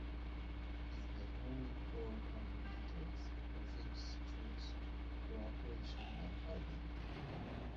It has only four combinators, "prefix", "choice", "co-operation" and "hiding".